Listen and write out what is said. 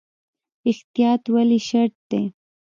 احتیاط ولې شرط دی؟